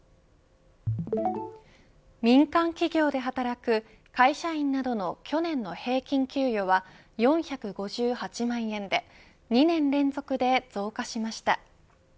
民間企業で働く会社員などの去年の平均給与は４５８万円で２年連続で増加しました。